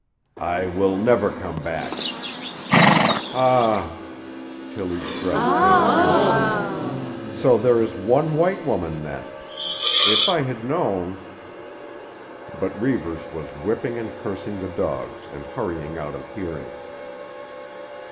"I will never come back." "Ah hh hh!" Tillie's breath came fiercely. "So there is one white woman, then. If I had known——" But Reivers was whipping and cursing the dogs and hurrying out of hearing.